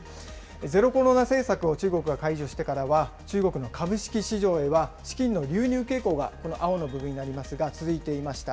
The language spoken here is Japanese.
ゼロコロナ政策を中国が解除してからは、中国の株式市場へは、資金の流入傾向が、この青の部分になりますが、続いていました。